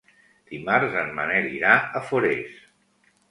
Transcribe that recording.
Dimarts en Manel irà a Forès.